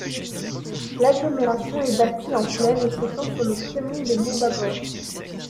L'agglomération est bâtie en plaine et s'étend sur le piémont des monts Babors.